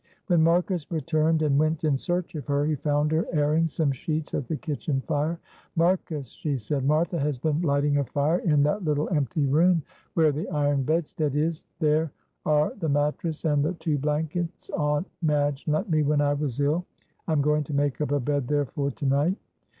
When Marcus returned and went in search of her, he found her airing some sheets at the kitchen fire. "Marcus," she said, "Martha has been lighting a fire in that little empty room, where the iron bedstead is; there are the mattress and the two blankets Aunt Madge lent me when I was ill; I am going to make up a bed there for to night."